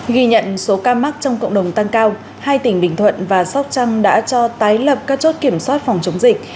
ghi nhận số ca mắc trong cộng đồng tăng cao hai tỉnh bình thuận và sóc trăng đã cho tái lập các chốt kiểm soát phòng chống dịch